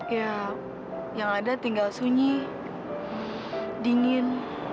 ya yang ada tinggal sunyi dingin